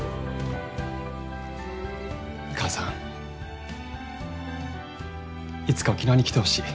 母さんいつか沖縄に来てほしい。